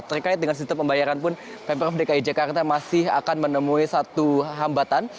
terkait dengan sistem pembayaran pun pemprov dki jakarta masih akan menemui satu hambatan